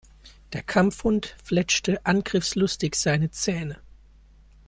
Der Kampfhund fletschte angriffslustig seine Zähne.